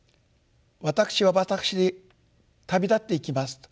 「私は私で旅立っていきます」と。